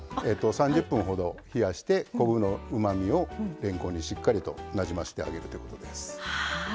３０分ほど冷やして昆布のうまみをれんこんにしっかりとなじませてあげるということです。